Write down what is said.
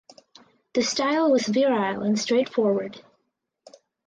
The style was virile and straightforward.